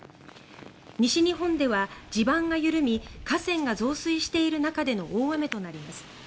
西日本では地盤が緩み河川が増水している中での大雨となります。